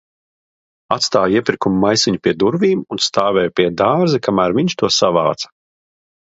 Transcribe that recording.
Atstāju iepirkuma maisiņu pie durvīm un stāvēju pie dārza, kamēr viņš to savāca.